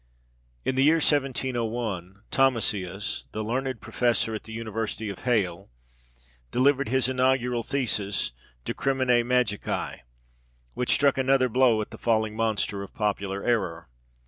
In the year 1701, Thomasius, the learned professor at the University of Halle, delivered his inaugural thesis, De Crimine Magiæ which struck another blow at the falling monster of popular error.